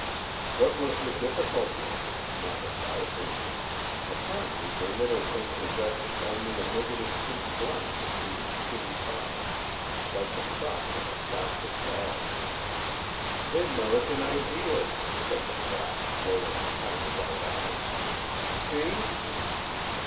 What was the difficulty? not a diaper. Apparently the little thing possessed only a negative pink blank between skinny thighs, like the crotch of a plastic doll. "The Merican Ideal," said the brat, rolling china white eyes. "See?"